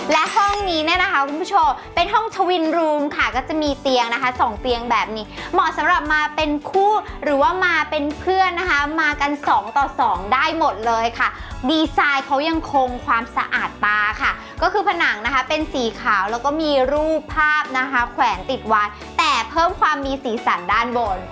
และห้องนี้เนี่ยนะคะคุณผู้ชมเป็นห้องทวินรูมค่ะก็จะมีเตียงนะคะสองเตียงแบบนี้เหมาะสำหรับมาเป็นคู่หรือว่ามาเป็นเพื่อนนะคะมากันสองต่อสองได้หมดเลยค่ะดีไซน์เขายังคงความสะอาดตาค่ะก็คือผนังนะคะเป็นสีขาวแล้วก็มีรูปภาพนะคะแขวนติดไว้แต่เพิ่มความมีสีสันด้านบน